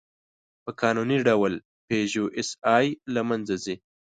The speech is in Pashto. په قانوني ډول «پيژو ایسآی» له منځه ځي.